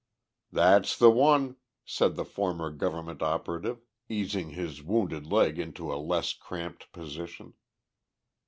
"That's the one," said the former government operative, easing his wounded leg into a less cramped position.